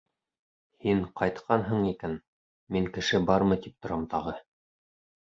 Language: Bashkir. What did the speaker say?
Һин ҡайтҡанһың икән, мин кеше бармы тип торам тағы.